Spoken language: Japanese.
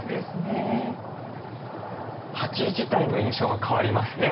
鉢自体の印象が変わりますね